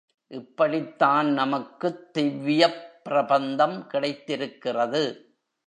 இப்படித்தான் நமக்குத் திவ்யப் பிரபந்தம் கிடைத்திருக்கிறது.